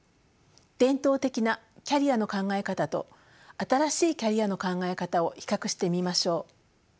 伝統的なキャリアの考え方と新しいキャリアの考え方を比較してみましょう。